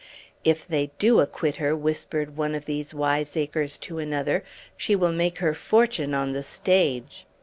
"If they do acquit her," whispered one of these wiseacres to another, "she will make her fortune on the stage!"